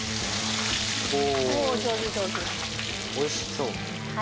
おいしそう。